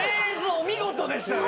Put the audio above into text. お見事でしたね。